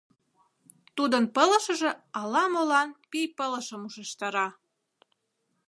Тудын пылышыже ала-молан пий пылышым ушештара.